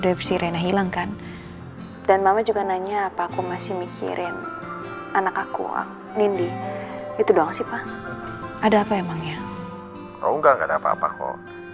oh enggak enggak ada apa apa kok